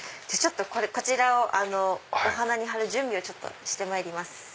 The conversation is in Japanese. こちらをお花に張る準備をしてまいります。